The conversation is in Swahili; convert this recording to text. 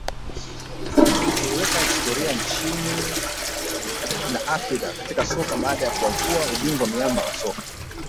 kiliweka historia nchini na Afrika katika soka baada ya kuwavua ubingwa miamba wa soka